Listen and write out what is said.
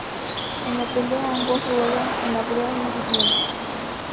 En la pelea ambos ruedan en la brea hirviente.